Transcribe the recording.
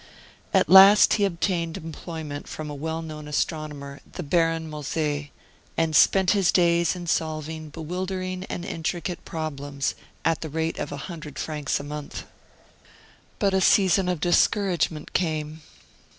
At last he obtained employment from a well known astronomer, the Baron Moser, and spent his days in solving bewildering and intricate problems, at the rate of a hundred francs a month. But a season of discouragement came.